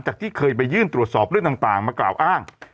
ที่เคยไปยื่นตรวจสอบเรื่องต่างมากล่าวอ้าง